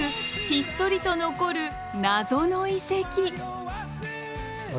ひっそりと残るナゾの遺跡。